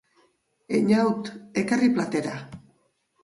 Eñaut, ekarri platera.